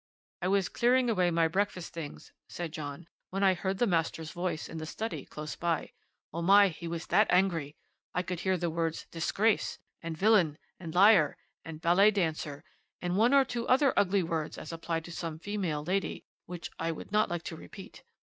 "'I was clearing away my breakfast things,' said John, 'when I heard the master's voice in the study close by. Oh my, he was that angry! I could hear the words "disgrace," and "villain," and "liar," and "ballet dancer," and one or two other ugly words as applied to some female lady, which I would not like to repeat.